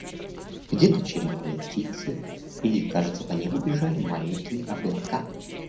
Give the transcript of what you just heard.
Где-то чирикали птицы и, кажется, по небу бежали маленькие облака.